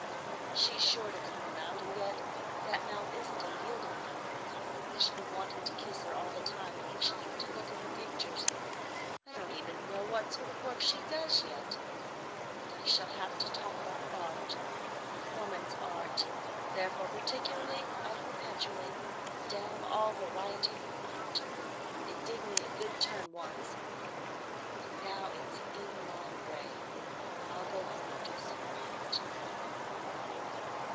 She's sure to come around; and yet—that mouth isn't a yielding mouth. I shall be wanting to kiss her all the time, and I shall have to look at her pictures,—I don't even know what sort of work she does yet,—and I shall have to talk about Art,—Woman's Art! Therefore, particularly and perpetually, damn all varieties of Art. It did me a good turn once, and now it's in my way. I'll go home and do some Art."